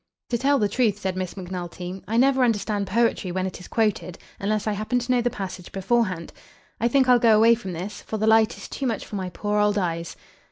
"To tell the truth," said Miss Macnulty, "I never understand poetry when it is quoted unless I happen to know the passage beforehand. I think I'll go away from this, for the light is too much for my poor old eyes."